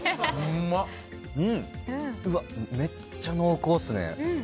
めっちゃ濃厚っすね。